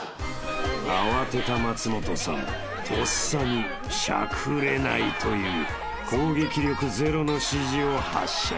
［慌てた松本さんとっさに「しゃくれない」という攻撃力０の指示を発射］